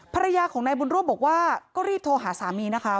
ภรรยาของนายบุญร่วมบอกว่าก็รีบโทรหาสามีนะคะ